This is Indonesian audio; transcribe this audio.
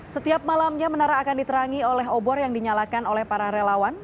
setiap malamnya menara akan diterangi oleh obor yang dinyalakan oleh para relawan